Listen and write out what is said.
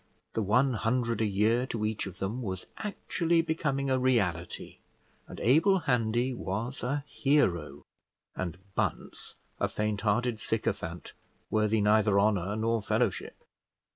The one hundred a year to each of them was actually becoming a reality; and Abel Handy was a hero, and Bunce a faint hearted sycophant, worthy neither honour nor fellowship.